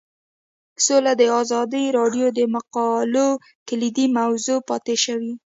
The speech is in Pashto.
سوله د ازادي راډیو د مقالو کلیدي موضوع پاتې شوی.